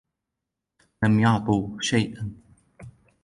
لم يعطوا شيئاً.